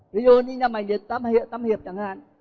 ví dụ như nhà mày đi tăm hiệp chẳng hạn